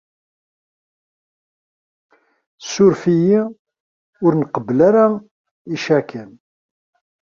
Ssuref-iyi, ur nqebbel ara icaken.